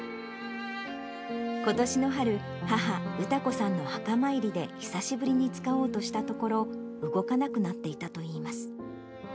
ことしの春、母、詩子さんの墓参りで久しぶりに使おうとしたところ、動かなくなっていたといいます。